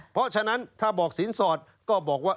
เพราะฉะนั้นถ้าบอกสินสอดก็บอกว่า